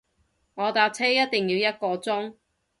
我搭車一定要一個鐘